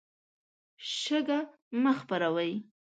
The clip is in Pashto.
شګه مه خپروئ.